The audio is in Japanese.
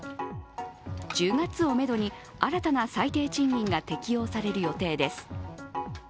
１０月をめどに新たな最低賃金が適用される予定です。